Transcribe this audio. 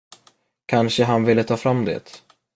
Kanske han ville ta fram det.